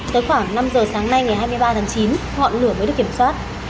tới khoảng năm giờ sáng nay ngày hai mươi ba tháng chín ngọn lửa mới được kiểm soát